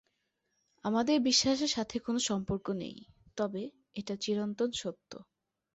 আমাদের বিশ্বাসের সাথে কোনো সম্পর্ক নেই, তবে এটা চিরন্তন সত্য।